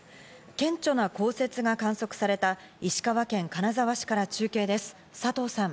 顕著な降雪が観測された石川県金沢市から中継です、佐藤さん。